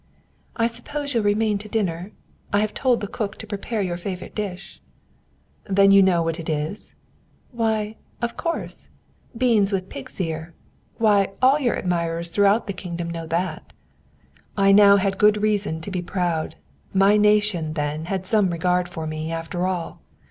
"I suppose you'll remain to dinner? I have told the cook to prepare your favourite dish." "Then you know what it is?" "Why, of course! Beans with pig's ear. Why, all your admirers throughout the kingdom know that." I had now good reason to be proud! My nation, then, has some regard for me, after all.